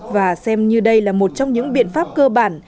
và xem như đây là một trong những biện pháp cơ bản